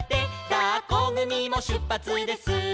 「だっこぐみもしゅっぱつです」